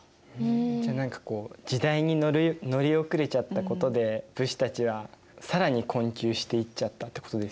じゃあ何かこう時代に乗り遅れちゃったことで武士たちは更に困窮していっちゃったってことですよね。